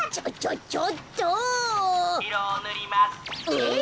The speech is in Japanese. えっ？